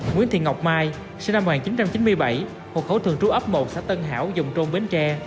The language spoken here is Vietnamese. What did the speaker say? nguyễn thị ngọc mai sinh năm một nghìn chín trăm chín mươi bảy hộ khẩu thường trú ấp một xã tân hảo dùng trôn bến tre